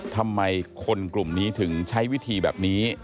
ทำไมคนกลุ่มนี้ถึงใช้วิธีแบบนี้